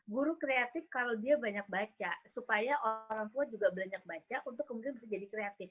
guru kreatif kalau dia banyak baca supaya orang tua juga banyak baca untuk kemudian bisa jadi kreatif